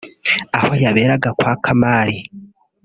aho yaberaga kwa Kamali